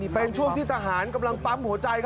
เป็นช่วงที่ทหารกำลังปั๊มหัวใจ